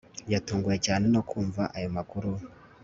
Yatunguwe cyane no kumva ayo makuru